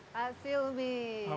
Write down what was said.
pak silmi apa kabar